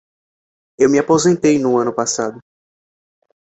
Eu me aposentei no ano passado.